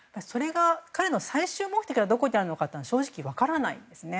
彼の最終目的がどこにあるのか正直、分からないんですね。